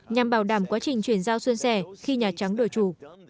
nhằm bảo đảm quá trình chuyển giao xuyên xẻ khi nhà trắng đổi chủ